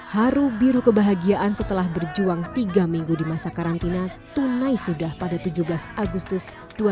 haru biru kebahagiaan setelah berjuang tiga minggu di masa karantina tunai sudah pada tujuh belas agustus dua ribu dua puluh